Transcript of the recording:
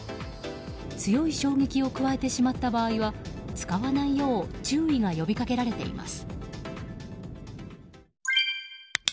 強い衝撃を加えてしまった場合は使わないよう注意が呼びかけられています。